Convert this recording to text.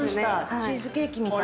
チーズケーキみたい。